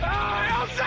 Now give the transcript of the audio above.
よっしゃ！